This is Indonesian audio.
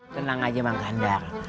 tenang aja mang kandar